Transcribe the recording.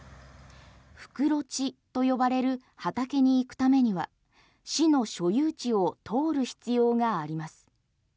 袋地と呼ばれる畑に行くためには市の所有地を通る必要があります。